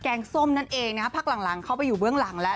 งส้มนั่นเองนะฮะพักหลังเข้าไปอยู่เบื้องหลังแล้ว